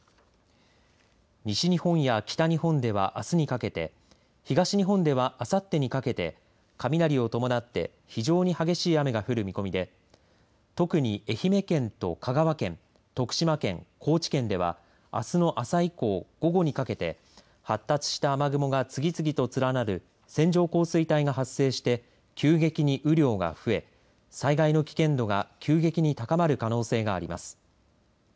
西日本や北日本ではあすにかけて東日本では、あさってにかけて雷を伴って非常に激しい雨が降る見込みで特に愛媛県と香川県徳島県、高知県ではあすの朝以降、午後にかけて発達した雨雲が次々と連なる線状降水帯が発生して急激に雨量が増え災害の危険度が急激に高まる可能性があります。